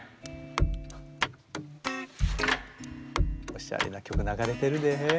おしゃれな曲流れてるで。